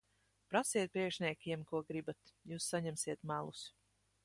Prasiet priekšniekiem, ko gribat. Jūs saņemsiet melus.